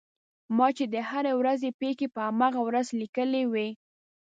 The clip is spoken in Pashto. ما چې د هرې ورځې پېښې په هماغه ورځ لیکلې وې.